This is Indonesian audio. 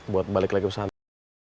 buat balik lagi pesantren